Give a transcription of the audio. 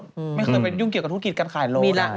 ไม่เคยไปยุ่งเกี่ยวกับธุรกิจการขายรถ